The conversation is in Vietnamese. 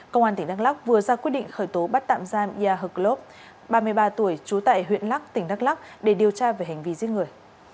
công an tỉnh đắk lắk vừa ra quyết định khởi tố bắt tạm giam yacob long ba mươi ba tuổi trú tại huyện lắk tỉnh đắk lắk để điều tra về hành vi giết người